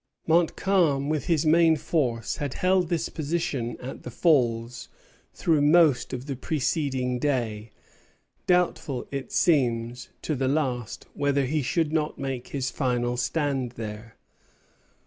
Montcalm with his main force had held this position at the Falls through most of the preceding day, doubtful, it seems, to the last whether he should not make his final stand there.